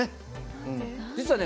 実はね